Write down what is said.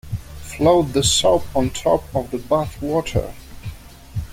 Float the soap on top of the bath water.